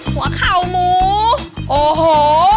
หัวเข่าหมูโอ้โห